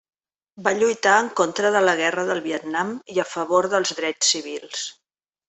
Va lluitar en contra de la Guerra del Vietnam i a favor dels drets civils.